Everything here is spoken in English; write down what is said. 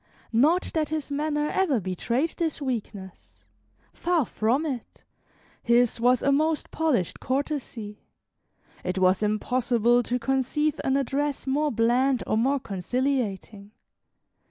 Not that his manner ever betrayed this weakness; far from it, his was a most polished courtesy. It was impossible to conceive an address more bland or more conciliating.